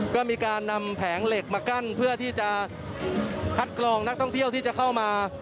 ก็มีการนำแผงเหล็กมากั้นเพื่อที่จะคัดกรองนักท่องเที่ยวที่จะเข้ามา